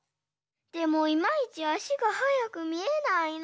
でもいまいちあしがはやくみえないな。